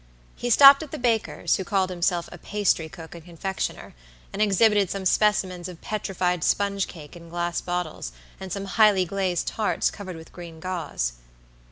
He stopped at the baker's, who called himself a pastrycook and confectioner, and exhibited some specimens of petrified sponge cake in glass bottles, and some highly glazed tarts, covered with green gauze.